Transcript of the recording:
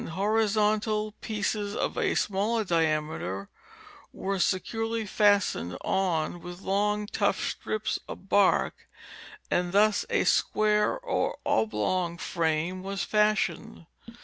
Jhorizontal pieces of a smaller diameter were securely fastened on with long tough strips of bark, and thus a square or oblong frame was fashioned.